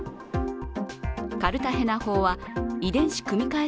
カルタヘナ法は遺伝子組み換え